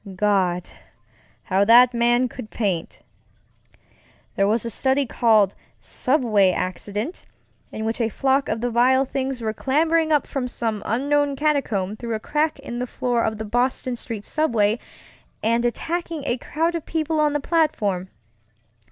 Gad, how that man could paint! There was a study called Subway Accident, in which a flock of the vile things were clambering up from some unknown catacomb through a crack in the floor of the Boylston Street subway and attacking a crowd of people on the platform.